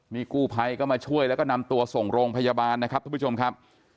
นี่กู้ภัยก็มาช่วยแล้วก็นำตัวส่งโรงพยาบาลนะครับทุกผู้ชมครับ